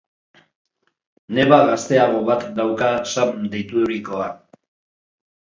Neba gazteago bat dauka Sam deiturikoa.